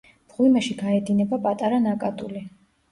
მღვიმეში გაედინება პატარა ნაკადული.